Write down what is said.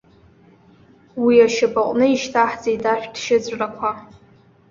Уи ашьапаны ишьҭаҳҵеит ашәҭшьыҵәрақәа.